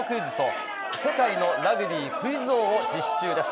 クイズと世界のラグビークイズ王を実施中です。